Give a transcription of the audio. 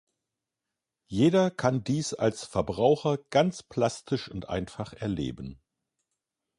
Jeder kann dies als Verbraucher ganz plastisch und einfach erleben.